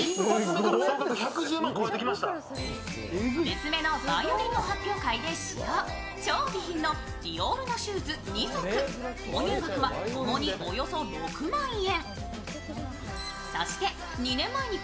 娘のバイオリンの発表会で使用、超美品のディオールのシューズ２足購入額はともにおよそ６万円。